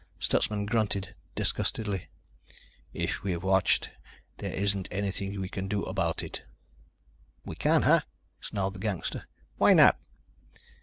Stutsman grunted disgustedly. "If we're watched, there isn't anything we can do about it." "We can't, huh?" snarled the gangster. "Why not?"